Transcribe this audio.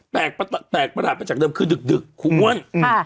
แตกแตกประหลาดมาจากเดิมคือดึกดึกคุมว้นฮ่าอืม